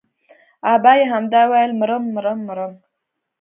ابا يې همدا ويل مرم مرم مرم.